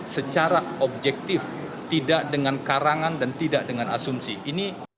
secara objektif tidak dengan karangan dan tidak dengan asumsi